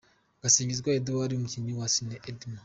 Gasinzigwa Edouard - umukinnyi wa Cine Elmay.